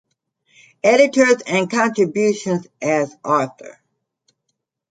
Editors and contributions as author